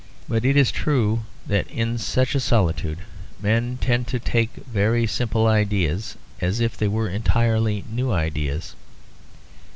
But it is true that in such a solitude men tend to take very simple ideas as if they were entirely new ideas.